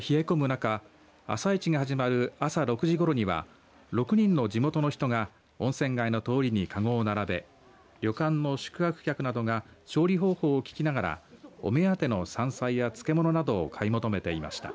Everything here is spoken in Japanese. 中朝市が始まる朝６時ごろには６人の地元の人が温泉街の通りにかごを並べ旅館の宿泊客などが調理方法を聞きながらお目当ての山菜や漬け物などを買い求めていました。